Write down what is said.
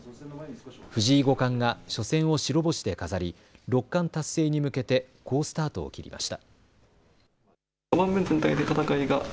藤井五冠が初戦を白星で飾り六冠達成に向けて好スタートを切りました。